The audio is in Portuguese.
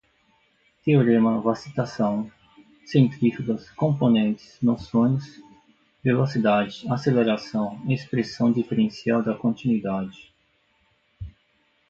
teorema, vacitação, centrífugas, componentes, noções, velocidade, aceleração, expressão diferencial da continuidade